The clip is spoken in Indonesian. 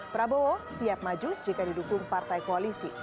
prabowo siap maju jika didukung partai koalisi